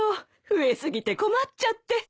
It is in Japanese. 増え過ぎて困っちゃって。